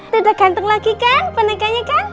tuh udah ganteng lagi kan bonekanya kan